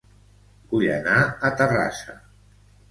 Vull anar a Terrassa